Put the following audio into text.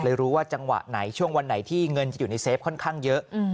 รู้ว่าจังหวะไหนช่วงวันไหนที่เงินจะอยู่ในเฟฟค่อนข้างเยอะ